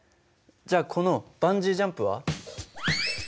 じゃあこのバンジージャンプは？